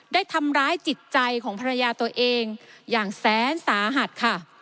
ได้ทำร้ายจิตใจของภรรยาตัวเองอย่างแสนสาหัสค่ะ